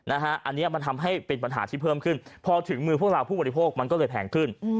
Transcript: อันนี้มันทำให้เป็นปัญหาที่เพิ่มขึ้นพอถึงมือพวกเราผู้บริโภคมันก็เลยแพงขึ้น